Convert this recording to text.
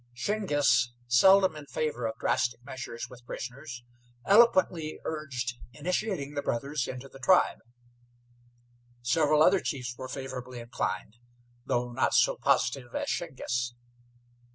Shingiss, seldom in favor of drastic measures with prisoners, eloquently urged initiating the brothers into the tribe. Several other chiefs were favorably inclined, though not so positive as Shingiss.